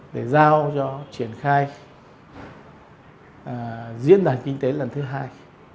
để giao cho triển khai diễn đàn kinh tế lần thứ hai